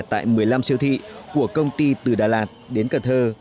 tại một mươi năm siêu thị của công ty từ đà lạt đến cần thơ